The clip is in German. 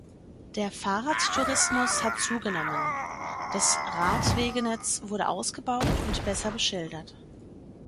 Der Fahrradtourismus hat zugenommen; das Radwegenetz wurde ausgebaut und besser beschildert.